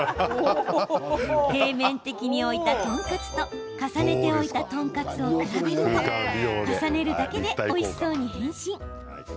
平面的に置いたトンカツと重ねて置いたトンカツを比べると重ねるだけで、おいしそうに変身。